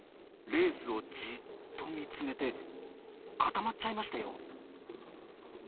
レースをじっと見つめて固まっちゃいましたよ。